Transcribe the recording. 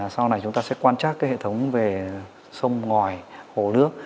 sau này chúng ta sẽ quan trác cái hệ thống về sông ngòi hồ nước